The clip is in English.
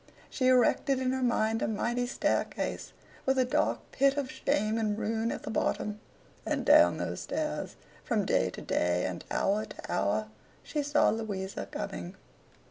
She erected in her mind a mighty Staircase, with a dark pit of shame and ruin at the bottom; and down those stairs, from day to day and hour to hour, she saw Louisa coming.